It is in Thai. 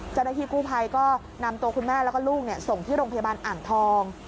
เจ้าหน้าที่กู้ภัยก็นำตัวคุณแม่แล้วก็ลูกส่งที่โรงพยาบาลอ่างทอง